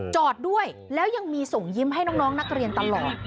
จอดด้วยแล้วยังมีส่งยิ้มให้น้องนักเรียนตลอด